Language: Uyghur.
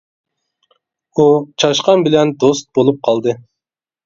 ئۇ چاشقان بىلەن دوست بولۇپ قالدى.